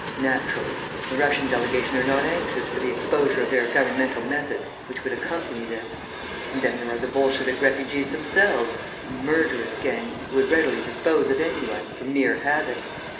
Naturally the Russian delegation are not anxious for the exposure of their governmental methods which would accompany this. And then there are the Bolshevik refugees themselves a murderous gang, who would readily dispose of any one, from mere habit.